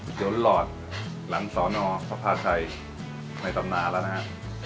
สวนหลอดหลังสอนอพระภาชัยในตำนานแล้วนะฮะ